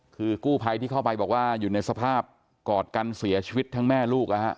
คือกู้ภัยที่เข้าไปบอกว่าอยู่ในสภาพกอดกันเสียชีวิตทั้งแม่ลูกนะฮะ